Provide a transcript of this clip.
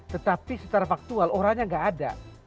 tetapi secara faktual orangnya nggak ada